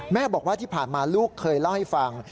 แม่บอกว่าที่ผ่านมาลูกเคยเล่าให้ฟัง